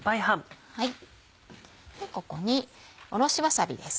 ここにおろしわさびです。